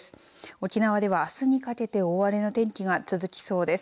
沖縄では、あすにかけて大荒れの天気が続きそうです。